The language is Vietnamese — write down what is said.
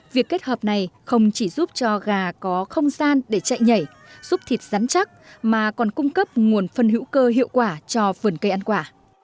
việc kết hợp này không chỉ giúp cho gà có không gian để chạy nhảy giúp thịt rắn chắc mà còn cung cấp nguồn phân hữu cơ hiệu quả cho vườn cây ăn quả